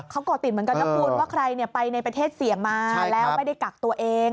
เขาก่อติดเหมือนกันนะคุณว่าใครไปในประเทศเสี่ยงมาแล้วไม่ได้กักตัวเอง